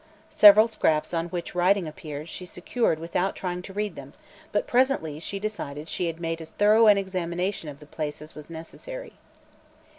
Several scraps on which writing appeared she secured without trying to read them, but presently she decided she had made as thorough an examination of the place as was necessary.